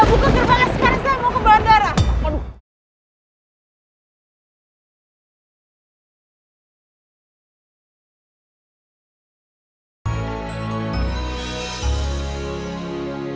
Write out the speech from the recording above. udah buka terbang sekarang saya mau ke bandara